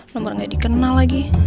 nomor gak dikenal lagi